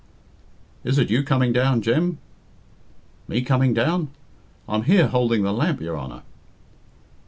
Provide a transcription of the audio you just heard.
"Is it you coming down, Jem?" "Me coming down? I'm here, holding the lamp, your Honour."